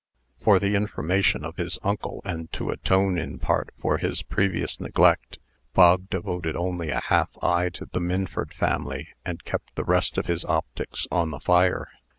For the information of his uncle, and to atone in part for his previous neglect, Bog devoted only a half eye to the Minford family, and kept the rest of his optics on the fire.